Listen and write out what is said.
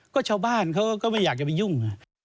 ก็ชาวบ้านเขาก็ไม่อยากจะไปยุ่ง